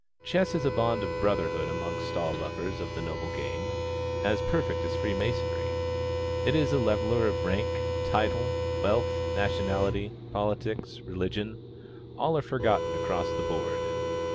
Chess is a bond of brotherhood amongst all lovers of the noble game, as perfect as free masonry. It is a leveller of rank title, wealth, nationality, politics, religion all are forgotten across the board.